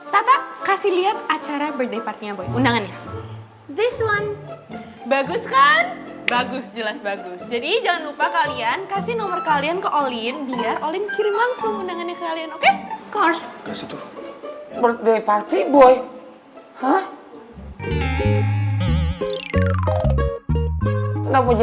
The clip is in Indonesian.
tata kasih liat acara birthday partynya boy undangannya